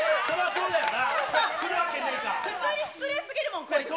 普通に失礼すぎるもん、こいつ。